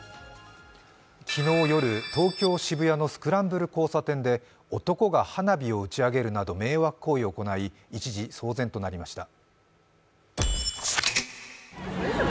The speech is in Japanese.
昨日夜、東京・渋谷のスクランブル交差点で男が花火を打ち上げるなど迷惑行為を行い一時、騒然となりました。